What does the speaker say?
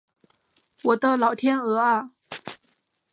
我的老天鹅啊